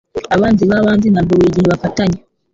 Abanzi b'abanzi ntabwo buri gihe bafatanya